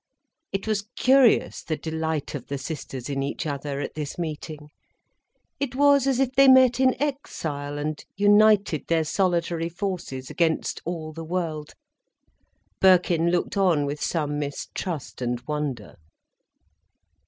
It was curious, the delight of the sisters in each other, at this meeting. It was as if they met in exile, and united their solitary forces against all the world. Birkin looked on with some mistrust and wonder.